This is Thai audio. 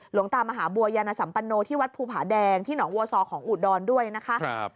หลวงตามหาบัวยานสัมปโนที่วัดภูผาแดงที่หนองวัวซอของอุดรด้วยนะคะ